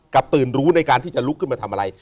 ตื่นรู้ในการที่จะลุกขึ้นมาทำอะไร